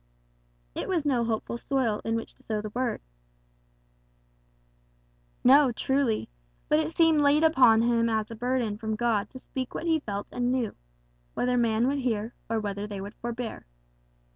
"It was no hopeful soil in which to sow the Word." "No, truly; but it seemed laid upon him as a burden from God to speak what he felt and knew, whether men would hear or whether they would forbear.